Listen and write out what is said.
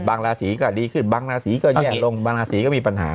ราศีก็ดีขึ้นบางราศีก็แย่ลงบางราศีก็มีปัญหา